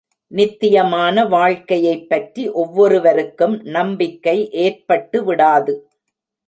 நித்தியமான வாழ்க்கையைப் பற்றி ஒவ்வொருவருக்கும் நம்பிக்கை ஏற்பட்டு விடாது.